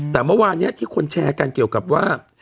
แต่เมื่อวานนี้ที่คนแชร์กันเกี่ยวกับว่า